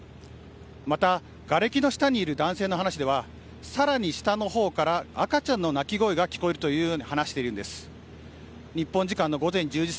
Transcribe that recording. また、がれきの下にいる男性の話ではさらに下の方から赤ちゃんの泣き声が聞こえると話しているんです。